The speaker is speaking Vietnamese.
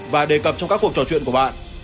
và đề cập trong các cuộc trò chuyện của bạn